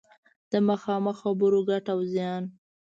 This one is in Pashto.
د مخامخ خبرو ګټه او زیان